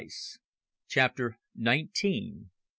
CHAPTER NINETEEN.